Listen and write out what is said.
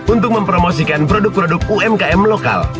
untuk mempromosikan produk produk umkm lokal